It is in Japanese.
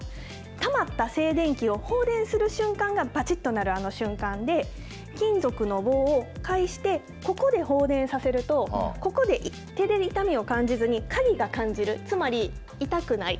たまった静電気を放電する瞬間がぱちっとなるあの瞬間で、金属の棒を介してここで放電させると、ここで手で痛みを感じずに、鍵が感じる、つまり痛くない。